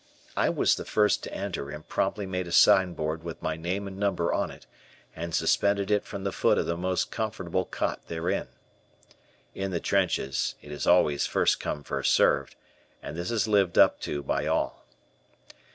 I was the first to enter and promptly made a sign board with my name and number on it and suspended it from the foot of the most comfortable cot therein. In the trenches, it is always "first come, first served," and this is lived up to by all.